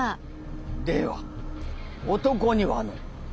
では男にはの。